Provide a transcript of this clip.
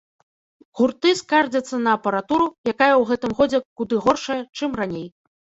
Гурты скардзяцца на апаратуру, якая ў гэтым годзе куды горшая, чым раней.